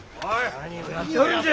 何をやっとるんじゃ。